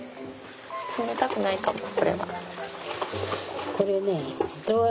冷たくないかもうこれは。